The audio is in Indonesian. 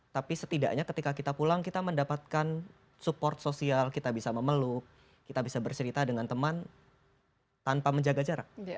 tapi setidaknya ketika kita pulang kita mendapatkan support sosial kita bisa memeluk kita bisa bercerita dengan teman tanpa menjaga jarak